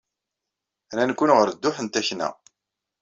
Rran-ken ɣer dduḥ n takna.